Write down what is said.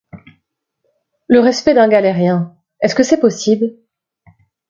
Le respect d’un galérien, est-ce que c’est possible?